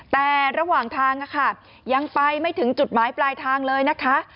แต่ระหว่างทางยังไปไม่ถึงจุดหมายปลายทางเลยนะคะ